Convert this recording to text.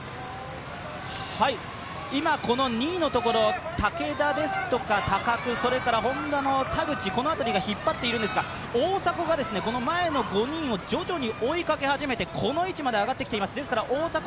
今この２位のところ、武田、高久、それからＨｏｎｄａの田口、この辺りが引っ張ってるんですが大迫がこの前の５人を徐々に追いかけ始めてこの位置まで来ています。